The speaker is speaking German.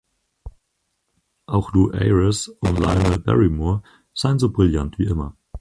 Auch Lew Ayres und Lionel Barrymore seien so brillant wie immer.